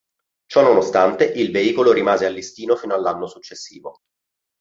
Ciononostante, il veicolo rimase a listino fino all'anno successivo.